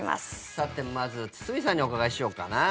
さて、まず堤さんにお伺いしようかな。